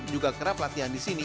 juga kerap latihan di sini